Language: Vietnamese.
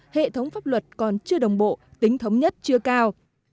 hệ thống pháp luật còn chưa đồng bộ tính thống nhất chưa cao